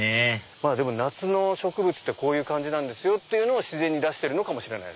まぁでも夏の植物ってこういう感じですよってのを自然に出してるのかもしれない。